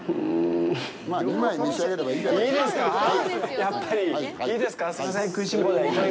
やっぱり、いいですか？